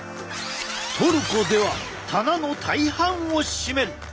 トルコでは棚の大半を占める！